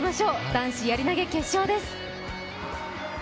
男子やり投げ決勝です。